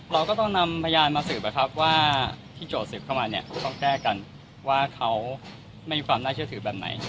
เราก็ต้องนำพยานมาสืบนะครับว่าที่โจทย์สืบเข้ามาเนี่ยก็ต้องแก้กันว่าเขาไม่มีความน่าเชื่อถือแบบไหน